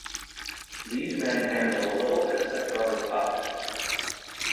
These men handle the little innocent rubber puck.